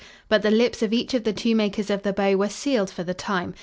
But the lips of each of the two makers of the bow were sealed for the time.